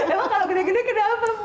emang kalau gede gede gede apa